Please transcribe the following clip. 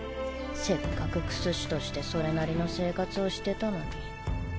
せっかく薬師としてそれなりの生活をしてたのに。